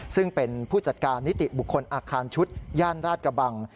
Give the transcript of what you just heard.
ซึ่งเป็นผู้จัดการนิติบุคคลอาคารชุดย่านราชกระบัง